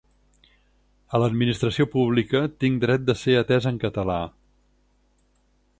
A l’administració pública tinc dret de ser atès en català.